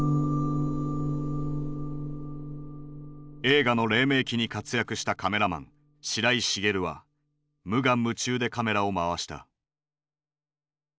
映画の黎明期に活躍したカメラマン白井茂は無我夢中でカメラを回した。